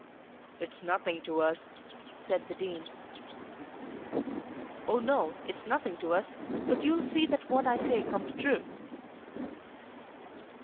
"It's nothing to us," said the Dean. "Oh, no; it's nothing to us. But you'll see that what I say comes true."